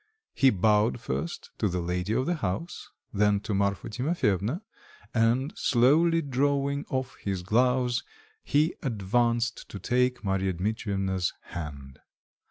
He bowed first to the lady of the house, then to Marfa Timofyevna, and slowly drawing off his gloves, he advanced to take Marya Dmitrievna's hand.